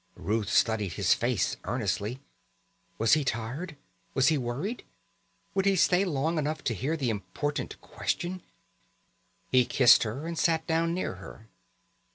Ruth studied his face earnestly. Was he tired? Was he worried? Would he stay long enough to hear the important question? He kissed her and sat down near her.